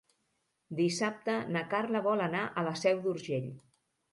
Dissabte na Carla vol anar a la Seu d'Urgell.